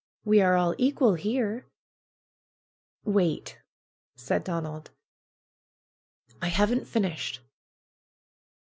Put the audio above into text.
We are all equal here." ^^Wait!" said Donald. haven't finished.